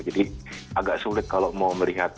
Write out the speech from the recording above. jadi agak sulit kalau mau melihat